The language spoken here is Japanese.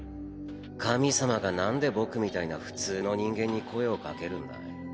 神様がなんで僕みたいな普通の人間に声を掛けるんだい？